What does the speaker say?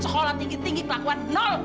sekolah tinggi tinggi pelakuan nol